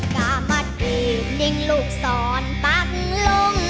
กามาติดนิ่งลูกสอนปักลง